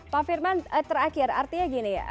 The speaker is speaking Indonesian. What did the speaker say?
pak firman terakhir artinya gini ya